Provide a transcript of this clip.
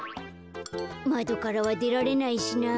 まどからはでられないしな。